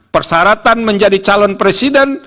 persyaratan menjadi calon presiden